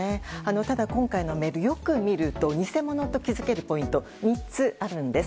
ただ、今回のメールをよく見ると偽物と気付けるポイントが３つあるんです。